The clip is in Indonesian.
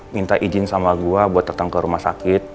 minta izin sama gue buat datang ke rumah sakit